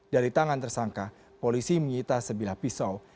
dari tangan tersangka polisi menyita sebilah pisau